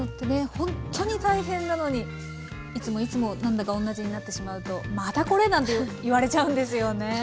ほんっとに大変なのにいつもいつも何だかおんなじになってしまうとまたこれ？なんて言われちゃうんですよね。